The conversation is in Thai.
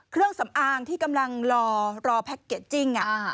เครื่องสำอางที่กำลังรอแพ็คเกจจิ้ง